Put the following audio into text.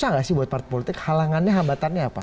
susah nggak sih buat partai politik halangannya hambatannya apa